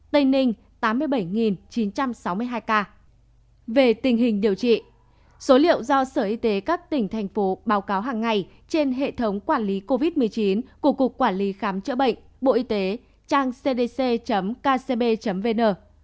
về tình hình điều trị số liệu do sở y tế các tỉnh thành phố báo cáo hàng ngày trên hệ thống quản lý covid một mươi chín của cục quản lý khám chữa bệnh bộ y tế trang cdc kcb vn